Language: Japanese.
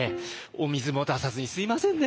お水も出さずにすみませんね